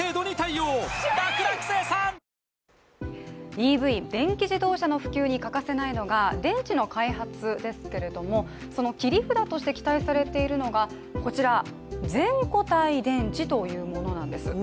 ＥＶ＝電気自動車の普及に欠かせないのが電池の開発ですけれどもその切り札として期待されているのがこちら、全固体電池というものなんです。